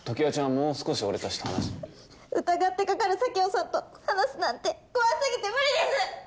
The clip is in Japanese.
もう少し俺たちと話疑ってかかる佐京さんと話すなんて怖すぎて無理です！